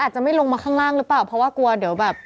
อาจจะไม่ลงมาข้างล่างนี่ปะเพราะว่ากลัวเดี๋ยวกลัวแบบ